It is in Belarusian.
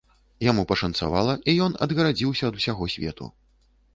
Яму пашанцавала, і ён адгарадзіўся ад усяго свету!